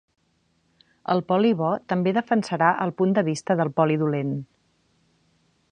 El poli bo també defensarà el punt de vista del poli dolent.